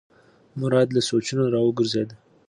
مراد له سوچونو راوګرځېد.